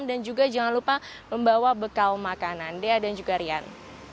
dan juga jangan lupa membawa bekal makanan dea dan juga rian